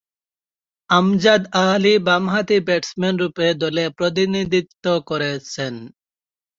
আমজাদ আলী বামহাতি ব্যাটসম্যানরূপে দলে প্রতিনিধিত্ব করছেন।